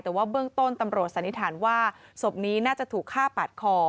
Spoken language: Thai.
แต่ว่าเบื้องต้นตำรวจสันนิษฐานว่าศพนี้น่าจะถูกฆ่าปาดคอ